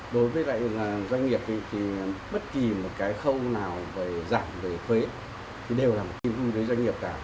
đối với doanh nghiệp thì bất kỳ một cái khâu nào giảm thuế thì đều là một tin vui với doanh nghiệp cả